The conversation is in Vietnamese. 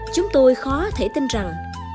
chúng tôi khó thể tin rằng